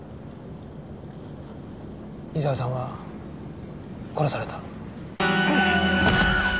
伊沢さんは殺された。